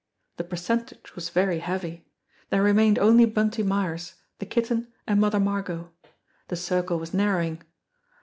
The per centage was very heavy ! There remained only Bunty Myers, the Kitten, and Mother Margot. The circle was narrowing.